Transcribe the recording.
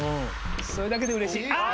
それだけでうれしい。